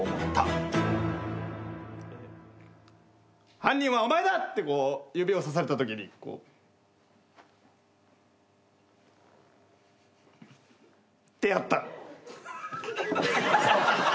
「犯人はお前だ！」って指をさされたときに。ってやった。